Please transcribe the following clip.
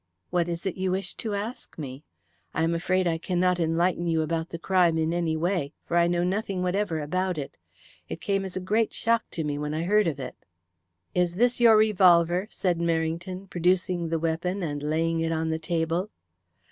What is it you wish to ask me? I am afraid I cannot enlighten you about the crime in any way, for I know nothing whatever about it. It came as a great shock to me when I heard of it." "Is this your revolver?" said Merrington, producing the weapon and laying it on the table.